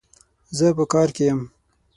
زه په کار کي يم